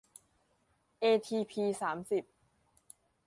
เอทีพี สามสิบ